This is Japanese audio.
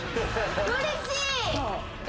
うれしい。